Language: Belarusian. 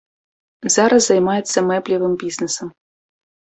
Зараз займаецца мэблевым бізнэсам.